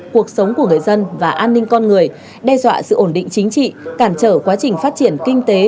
cuộc sống của người dân và an ninh con người đe dọa sự ổn định chính trị cản trở quá trình phát triển kinh tế